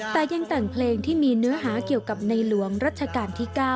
แต่ยังแต่งเพลงที่มีเนื้อหาเกี่ยวกับในหลวงรัชกาลที่๙